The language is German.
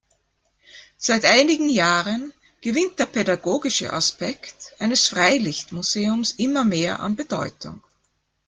Seit einigen Jahren gewinnt der pädagogische Aspekt eines Freilichtmuseums immer mehr an Bedeutung.